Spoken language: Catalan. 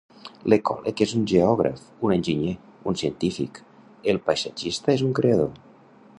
L'ecòleg és un Geògraf, un enginyer, un científic, el paisatgista és un creador.